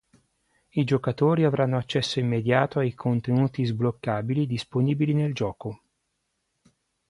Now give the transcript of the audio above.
I giocatori avranno accesso immediato ai contenuti sbloccabili disponibili nel gioco.